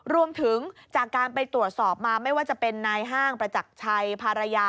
รวมถึงจากการไปตรวจสอบมาไม่ว่าจะเป็นนายห้างประจักรชัยภรรยา